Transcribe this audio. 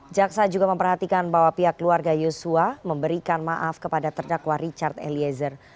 jaksa juga memperhatikan bahwa pihak keluarga yosua memberikan maaf kepada terdakwa richard eliezer